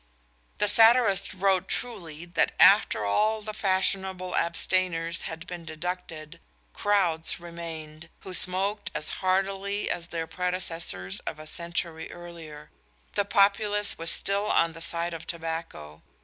_ The satirist wrote truly that after all the fashionable abstainers had been deducted, crowds remained, who smoked as heartily as their predecessors of a century earlier. The populace was still on the side of tobacco.